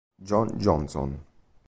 John Johnson